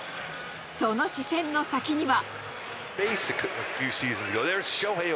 その視線の先には。